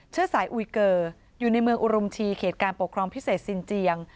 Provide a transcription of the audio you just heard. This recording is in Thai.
เชื้อสายอุยเกอร์อยู่ในเมืองอุรุมชีเขตการปกครองพิเศษสินเจียง